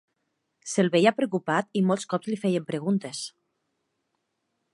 Se'l veia preocupat i molts cops li feien preguntes